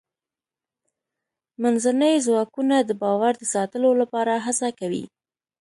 منځني ځواکونه د باور د ساتلو لپاره هڅه کوي.